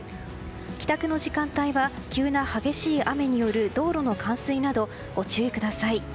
帰宅の時間帯は急な激しい雨による道路の冠水などにご注意ください。